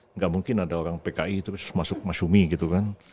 nggak mungkin ada orang pki terus masuk masyumi gitu kan